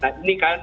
nah ini kan